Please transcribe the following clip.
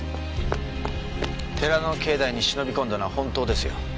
寺の境内に忍び込んだのは本当ですよ。